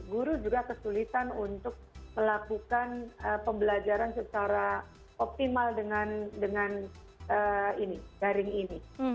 guru juga kesulitan untuk melakukan pembelajaran secara optimal dengan daring ini